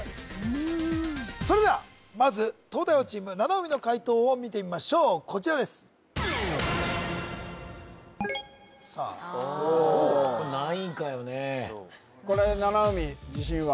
うんそれではまず東大王チーム七海の解答を見てみましょうこちらですさあ「郎」これ何位かよねこれ七海自信は？